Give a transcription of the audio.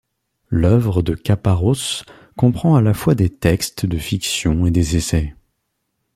L'œuvre de Caparrós comprend à la fois des textes de fiction et des essais.